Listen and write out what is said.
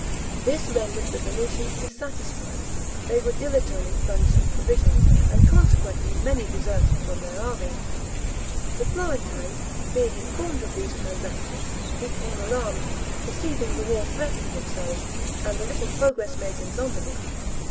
This rendered the Venetians dissatisfied; they were dilatory in furnishing provisions, and consequently many deserted from their army. The Florentines, being informed of these transactions, became alarmed, perceiving the war threatening themselves, and the little progress made in Lombardy.